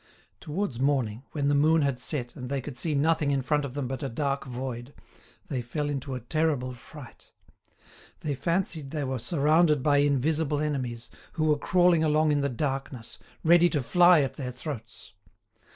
Towards morning, when the moon had set and they could see nothing in front of them but a dark void, they fell into a terrible fright. They fancied they were surrounded by invisible enemies, who were crawling along in the darkness, ready to fly at their throats.